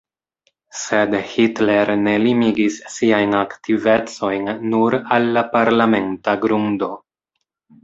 Sed Hitler ne limigis siajn aktivecojn nur al la parlamenta grundo.